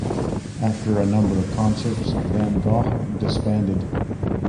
After a number of concerts Van Gogh disbanded.